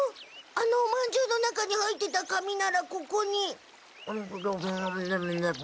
あのおまんじゅうの中に入ってた紙ならここに。